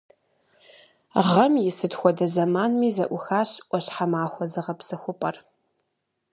Гъэм и сыт хуэдэ зэманми зэӀухащ «Ӏуащхьэмахуэ» зыгъэпсэхупӀэр.